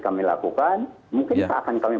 kami lakukan mungkin akan kami